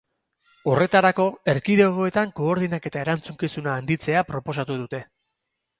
Horretarako, erkidegoetan koordainketa erantzukizuna handitzea proposatu dute.